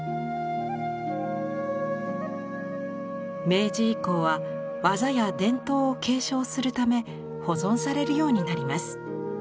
明治以降は技や伝統を継承するため保存されるようになります。